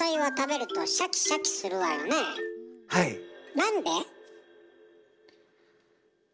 なんで？